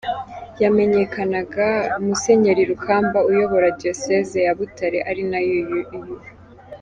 yamenyekanaga, Musenyeri Rukamba uyobora diyoseze ya Butare ari nayo uyu.